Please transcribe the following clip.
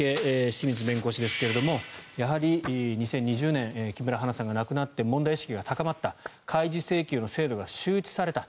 清水弁護士ですけれどもやはり２０２０年木村花さんが亡くなって問題意識が高まった開示請求の制度が周知された。